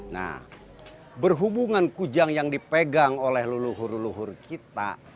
nah berhubungan kujang yang dipegang oleh leluhur leluhur kita